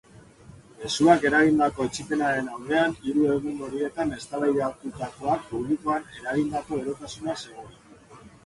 Mezuak eragindako etsipenaren aurrean hiru egun horietan eztabaidatutakoak publikoan eragindako berotasuna zegoen.